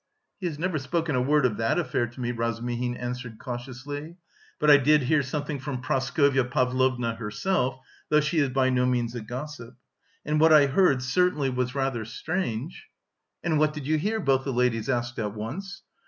"He has never spoken a word of that affair to me," Razumihin answered cautiously. "But I did hear something from Praskovya Pavlovna herself, though she is by no means a gossip. And what I heard certainly was rather strange." "And what did you hear?" both the ladies asked at once.